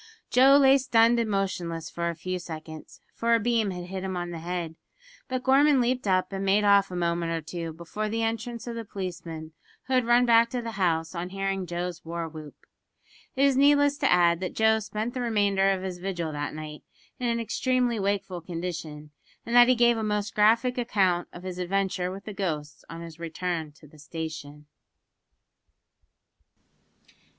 Joe lay stunned and motionless for a few seconds, for a beam had hit him on the head; but Gorman leaped up and made off a moment or two before the entrance of the policeman, who had run back to the house on hearing Joe's war whoop. It is needless to add that Joe spent the remainder of his vigil that night in an extremely wakeful condition, and that he gave a most graphic account of his adventure with the ghosts on his return to the station!